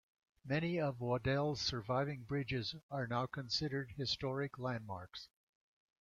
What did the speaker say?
Many of Waddell's surviving bridges are now considered historic landmarks.